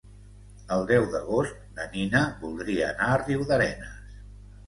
El deu d'agost na Nina voldria anar a Riudarenes.